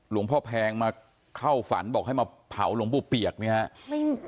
หลวงพ่อแพงมาเข้าฝันบอกให้มาเผาหลวงปู่เปียกเนี่ยฮะ